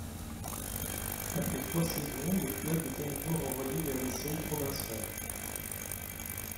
Après trois saisons, le club est à nouveau renvoyé vers les séries provinciales.